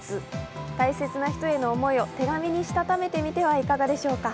大切な人への思いを手紙にしたためてみてはいかがでしょうか。